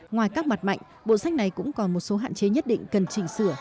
ngoài các mặt mạnh bộ sách này cũng còn một số hạn chế nhất định cần chỉnh sửa